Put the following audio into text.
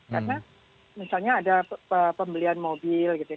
karena misalnya ada pembelian mobil gitu ya